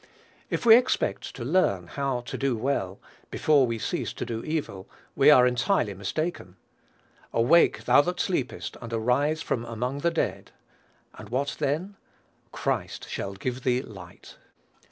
If we expect to "learn" how "to do well," before we "cease to do evil," we are entirely mistaken. "Awake, thou that sleepest, and arise from among the dead." ([Greek: ek tôn nekrôn].) And what then? "Christ shall give thee light."